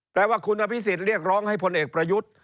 แต่ว่าคุณวิสิทธิ์เรียกร้องให้พลเอกประยุทธิ์